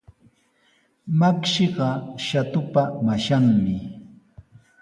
Makshiqa Shatupa mashanmi.